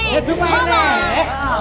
hidup pak rt